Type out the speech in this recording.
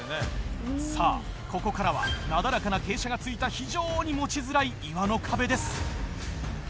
さぁここからはなだらかな傾斜がついた非常に持ちづらい岩の壁です。